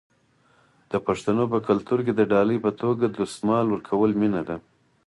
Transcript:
د پښتنو په کلتور کې د ډالۍ په توګه دستمال ورکول مینه ده.